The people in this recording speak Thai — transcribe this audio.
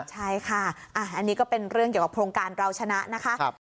ใช่ค่ะอันนี้ก็เป็นเรื่องเกี่ยวกับโครงการเราชนะนะคะ